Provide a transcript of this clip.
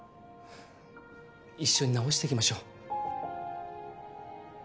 一緒に治していきましょう。